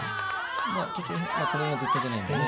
まあこれが絶対じゃないんでね